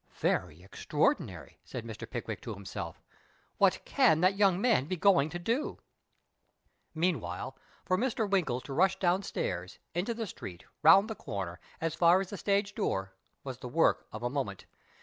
" 'V^ery extraordinary," said Mr. Pickwick to him self, " what can that young man be going to do ?" Meanwhile, for Mr. Winkle to rush downstairs, into the street, round the corner, as far as the stage door, was the work of a moment.